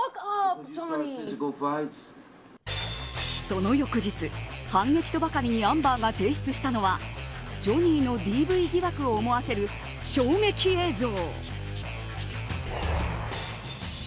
その翌日、反撃とばかりにアンバーが提出したのはジョニーのＤＶ疑惑を思わせる衝撃映像。